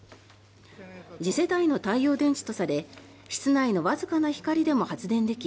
次世代の太陽電池とされ室内のわずかな光でも発電でき